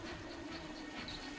yang kek f random